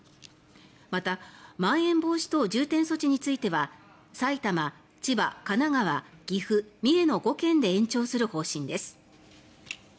またまん延防止等重点措置については埼玉、千葉、神奈川、岐阜三重の５県で延長する方針です。